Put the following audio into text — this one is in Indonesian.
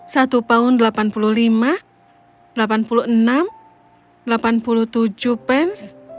satu paun delapan puluh lima delapan puluh enam delapan puluh tujuh pence